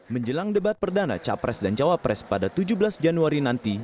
menjelang debat perdana capres dan cawapres pada tujuh belas januari nanti